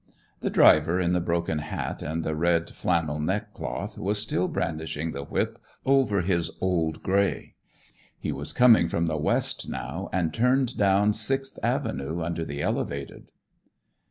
The driver in the broken hat and the red flannel neck cloth was still brandishing the whip over his old gray. He was coming from the west now, and turned down Sixth Avenue, under the elevated.